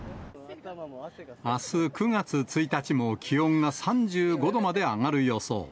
あす９月１日も気温が３５度まで上がる予想。